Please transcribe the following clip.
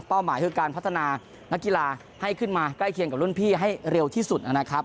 หมายคือการพัฒนานักกีฬาให้ขึ้นมาใกล้เคียงกับรุ่นพี่ให้เร็วที่สุดนะครับ